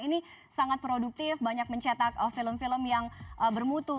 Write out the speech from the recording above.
ini sangat produktif banyak mencetak film film yang bermutu